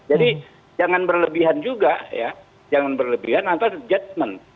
jadi jangan berlebihan juga ya jangan berlebihan antarance judgment